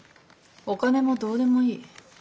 お金もどうでもいい。